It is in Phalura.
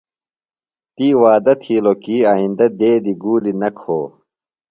تی وعدہ تِھیلو کی آئیندہ دیدیۡ گُولیۡ نہ کھو۔